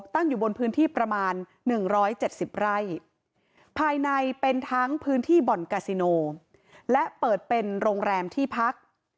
ตั้งอยู่บนพื้นที่ประมาณ๑๗๐ไร่ภายในเป็นทั้งพื้นที่บ่อนกาซิโนและเปิดเป็นโรงแรมที่พัก